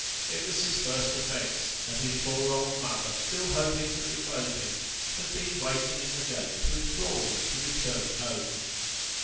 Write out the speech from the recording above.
It was his first offence, and his poor old mother, still hoping to reclaim him, had been waiting at the gate to implore him to return home.